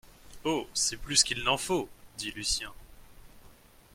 Oh, c’est plus qu’il n’en faut, dit Lucien